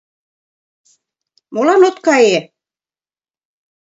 Молан от кае?